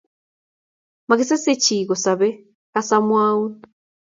Makisase chi kosabe kas amwaun